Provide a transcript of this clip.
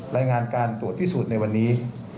รายงานการตรวจพิสูจน์ในวันนี้